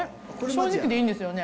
正直でいいんですよね。